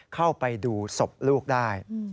เข้าไปดูศพลูกได้